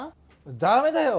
ダメだよ。